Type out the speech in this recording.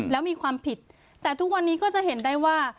แล้วมีความผิดแต่ทุกวันนี้ก็จะเห็นได้ว่า